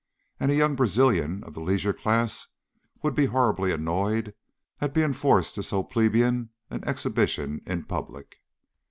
And a young Brazilian of the leisure class would be horribly annoyed at being forced to so plebeian an exhibition in public.